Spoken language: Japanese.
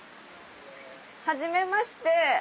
はじめまして。